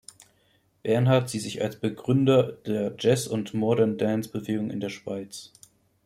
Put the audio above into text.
Bernard sieht sich als Begründer der Jazz und Modern Dance-Bewegung in der Schweiz.